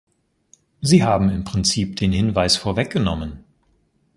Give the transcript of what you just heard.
Sie haben im Prinzip den Hinweis vorweggenommen.